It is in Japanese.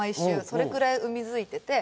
それくらい海ずいてて。